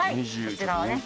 こちらはね